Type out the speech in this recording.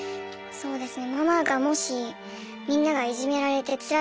そうですね。